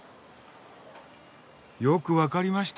よくわかりました。